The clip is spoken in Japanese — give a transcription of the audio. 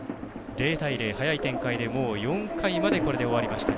０対０、早い展開でこれで４回まで終わりました。